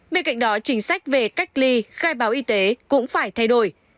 bên cạnh đó chính sách về cách ly khai báo y tế cũng phải thay đổi